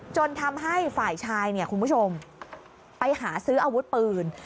จนทำให้ฝ่ายชายเนี่ยคุณผู้ชมไปหาซื้ออาวุธปืน